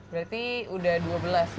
berarti udah dua belas ya